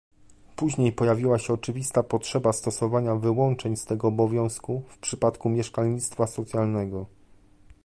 Później pojawiła się oczywista potrzeba stosowania wyłączeń z tego obowiązku w przypadku mieszkalnictwa socjalnego